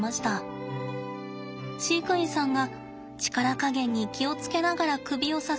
飼育員さんが力加減に気を付けながら首を支えて慎重に与えました。